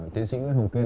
tiến sĩ nguyễn hùng tuyên